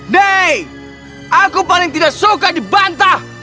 dai aku paling tidak suka dibantah